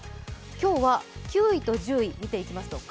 今日は９位と１０位、見ていきましょう。